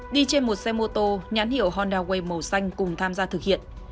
đi trên một xe mô tô nhãn hiệu honda way màu xanh cùng tham gia thực hiện